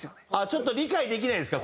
ちょっと理解できないんですか？